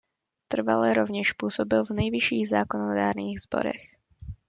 Trvale rovněž působil v nejvyšších zákonodárných sborech.